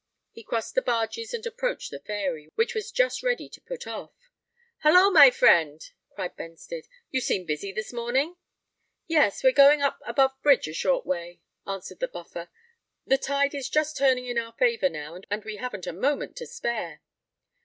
He crossed the barges and approached the Fairy, which was just ready to put off. "Holloa! my friend," cried Benstead: "you seem busy this morning?" "Yes—we're going up above bridge a short way," answered the Buffer: "the tide is just turning in our favour now, and we haven't a moment to spare."